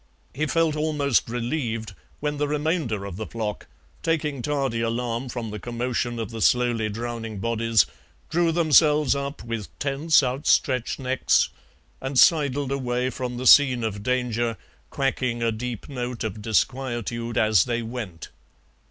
He felt almost relieved when the remainder of the flock, taking tardy alarm from the commotion of the slowly drowning bodies, drew themselves up with tense outstretched necks, and sidled away from the scene of danger, quacking a deep note of disquietude as they went.